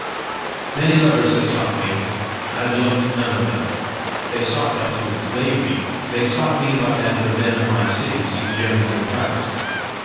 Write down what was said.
"Many lovers have sought me; I have loved none of them: they sought but to enslave me; they sought me but as the men of my city seek gems of price.